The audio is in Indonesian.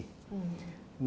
nah ini juga terjadi